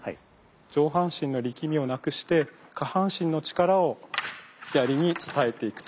上半身の力みをなくして下半身の力を槍に伝えていくと。